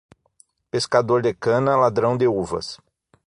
Pescador de cana, ladrão de uvas.